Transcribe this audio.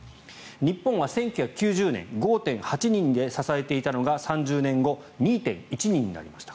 日本は１９９０年５．８人で支えていたのが３０年後２．１人になりました。